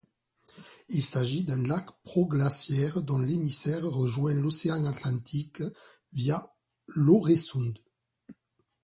Il s'agit d'un lac proglaciaire dont l'émissaire rejoint l'océan Atlantique via l'Øresund.